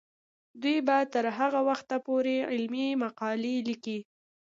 دوی به تر هغه وخته پورې علمي مقالې لیکي.